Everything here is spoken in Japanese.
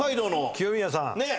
清宮さん。